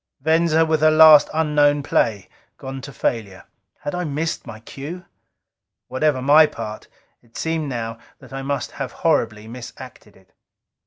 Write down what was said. Venza, with her last unknown play, gone to failure. Had I missed my cue? Whatever my part, it seemed now that I must have horribly misacted it.